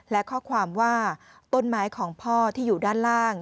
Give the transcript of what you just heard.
และข้อความว่าต้นไม้ของพ่อที่อยู่ด้านล่าง